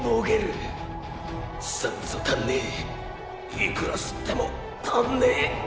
いくら吸っても足んねえ。